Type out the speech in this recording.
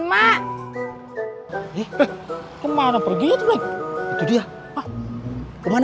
bukankah itu tanda tanda kiamat